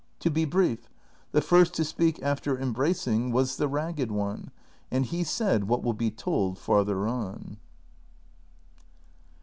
To be brief, the first to speak after embracing was the Ragged One, and he said what will be told farther on.